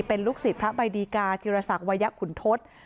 เป็นลูกศิษย์พระบัยดีกาจิรษักร์วัยคุณทศ